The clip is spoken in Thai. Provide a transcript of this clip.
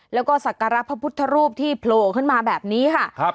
แล้วก็สักการะพระพุทธรูปที่โผล่ขึ้นมาแบบนี้ค่ะ